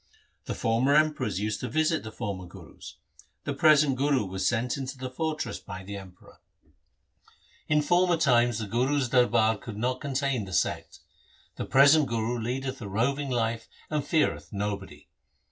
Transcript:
The former Emperors used to visit the former Gurus ; the present Guru was sent into the fortress by the Emperor. LIFE OF GURU HAR GOBIND 77 In former times the Guru's darbar could not contain the sect ; the present Guru leadeth a roving life and feareth nobody.